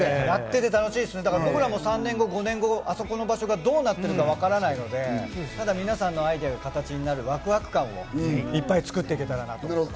やってて楽しいんで、３年後、５年後はそこの場所はどうなっているのかわからないので、皆さんのアイデアが形になるワクワク感をいっぱい作っていけたらなと思います。